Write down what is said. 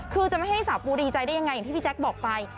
คือจะไม่ให้สาวปูดีใจได้ยังไงอย่างที่พี่แจ๊คบอกไป